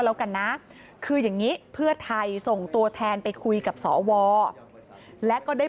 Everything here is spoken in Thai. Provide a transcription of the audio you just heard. แล้วกันนะคืออย่างนี้เพื่อไทยส่งตัวแทนไปคุยกับสวและก็ได้